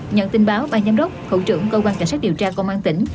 nhận tin báo ban giám đốc hữu trưởng cơ quan cảnh sát điều tra công an tỉnh